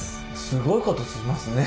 すごいことしますね。